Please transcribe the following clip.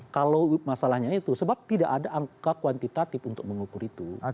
kalau masalahnya itu sebab tidak ada angka kuantitatif untuk mengukur itu